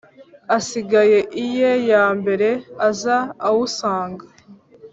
Asiga iye ya mbere aza awusanga!